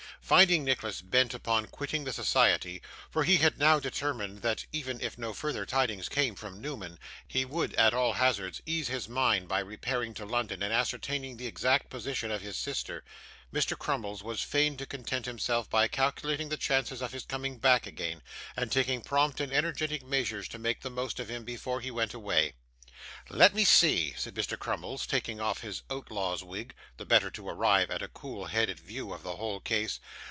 Finding Nicholas bent upon quitting the society for he had now determined that, even if no further tidings came from Newman, he would, at all hazards, ease his mind by repairing to London and ascertaining the exact position of his sister Mr. Crummles was fain to content himself by calculating the chances of his coming back again, and taking prompt and energetic measures to make the most of him before he went away. 'Let me see,' said Mr. Crummles, taking off his outlaw's wig, the better to arrive at a cool headed view of the whole case.